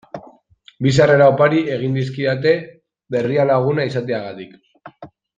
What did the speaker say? Bi sarrera opari egin dizkidate Berrialaguna izateagatik.